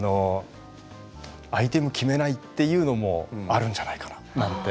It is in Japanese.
アイテムを決めないというのもあるんじゃないかななんて。